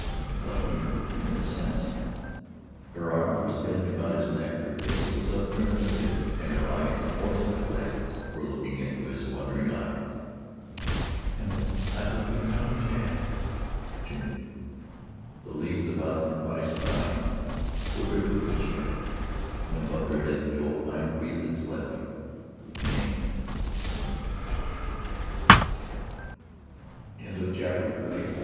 I've loved you every minute since " her arms were stealing about his neck, her face was upturned to his and her eyes, moist with gladness, were looking into his wondering eyes "and I love you now Jack." "June!" The leaves about them caught his cry and quivered with the joy of it, and above their heads the old Pine breathed its blessing with the name June June June. XXXV With a mystified smile